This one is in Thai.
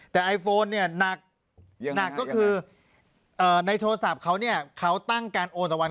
แต่ไอโฟนหนักก็คือในโทรศัพท์เขาตั้งการโอนต่อวัน